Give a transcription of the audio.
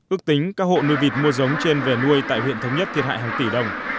ước tính các hộ nuôi vịt mua giống trên về nuôi tại huyện thống nhất thiệt hại hàng tỷ đồng